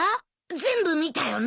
全部見たよな？